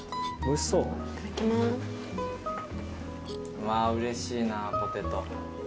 うわうれしいなポテト。